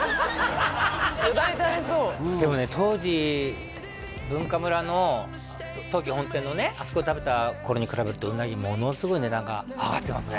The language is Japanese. ヨダレ垂れそうでもね当時Ｂｕｎｋａｍｕｒａの東急本店のねあそこで食べた頃に比べるとウナギものすごい値段が上がってますね